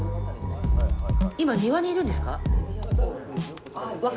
今庭にいるんですか？